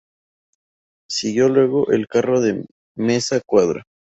Siguió luego el carro de Meza Cuadra.